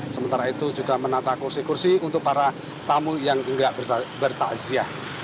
sementara itu juga menata kursi kursi untuk para tamu yang tidak bertaziah